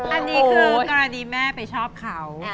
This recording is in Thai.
อันนี้คือกรณีแม่ไปชอบเขา